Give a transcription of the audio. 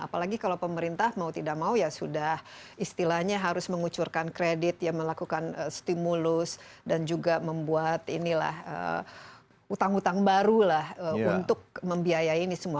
apalagi kalau pemerintah mau tidak mau ya sudah istilahnya harus mengucurkan kredit ya melakukan stimulus dan juga membuat inilah utang utang baru lah untuk membiayai ini semua